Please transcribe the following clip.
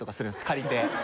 借りて。